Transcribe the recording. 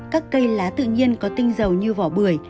các cây lá tự nhiên có tinh dầu như vỏ bưởi